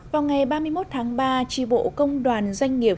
vào ngày ba mươi một tháng ba tri bộ công đoàn doanh nghiệp